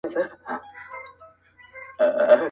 نه پوهېږي چي چاره پوري حيران دي-